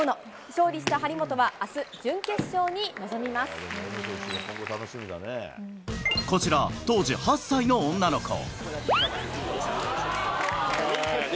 勝利した張本はあす、準決勝に臨こちら、当時８歳の女の子。